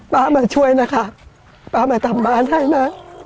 มาช่วยนะคะป้ามาทำบ้านให้นะ